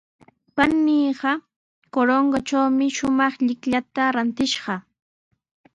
Paniiqa Corongotrawmi shumaq llikllata rantishqa.